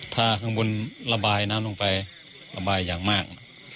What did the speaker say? ถ้าข้างบนระบายน้ำลงไประบายอย่างมาก